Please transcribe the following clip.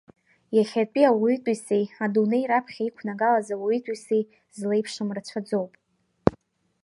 Иахьатәи ауаҩытәыҩсеи адунеи раԥхьа иқәнагалаз ауаҩытәыҩсеи злеиԥшым рацәаӡоуп.